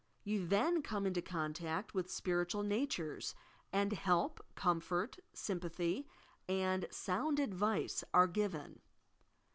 You then come into contact with spiritual natures, and help, comfort, sympathy and sound advice are given.